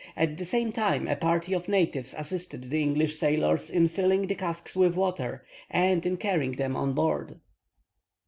At the same time a party of natives assisted the English sailors in filling the casks with water, and in carrying them on board.